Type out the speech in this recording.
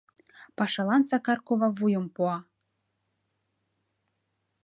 Пашалан Сакар кува вуйым пуа.